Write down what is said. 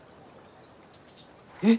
えっ！？